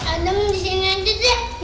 adam disini aja deh